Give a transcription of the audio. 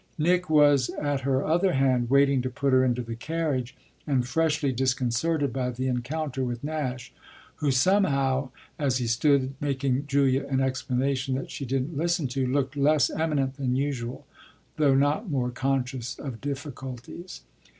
Nick was at her other hand, waiting to put her into the carriage and freshly disconcerted by the encounter with Nash, who somehow, as he stood making Julia an explanation that she didn't listen to, looked less eminent than usual, though not more conscious of difficulties.